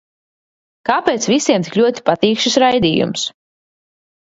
Kāpēc visiem tik ļoti patīk šis raidījums?